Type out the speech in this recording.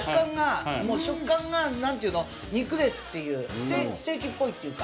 食感がなんていうの肉ですっていうステーキっぽいっていうか